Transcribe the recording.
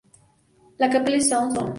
La Chapelle-sous-Dun